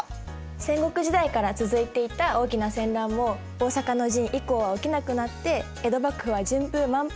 戦国時代から続いていた大きな戦乱も大坂の陣以降は起きなくなって江戸幕府は順風満帆って感じだったよね。